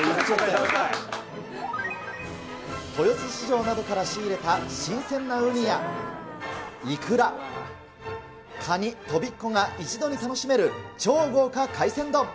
豊洲市場などから仕入れた新鮮なウニや、イクラ、カニ、とびっこが一度に楽しめる、超豪華海鮮丼。